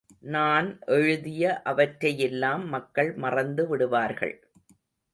நான் எழுதிய அவற்றையெல்லாம் மக்கள் மறந்து விடுவார்கள்.